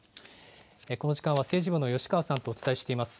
この時間は政治部の吉川さんとお伝えしています。